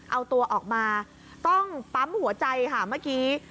เอาตัวออกมาต้องปั๊มหัวใจค่ะเมื่อกี้